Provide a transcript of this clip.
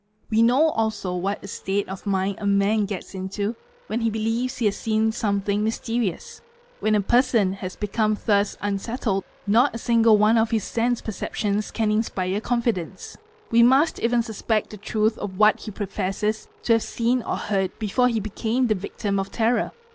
We know also what a state of Monind a man gets into when he believes he has seen something mysterious. i k When a person has become thus unsettled not a single one of his sense : perceptions can inspire confidence; we must even suspect the truth of what he professes to have seen or heard before he became the victim of * terror.